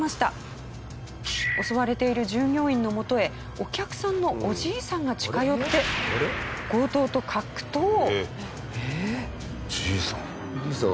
襲われている従業員のもとへお客さんのおじいさんが近寄ってじいさん。